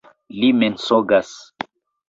Li mensogas!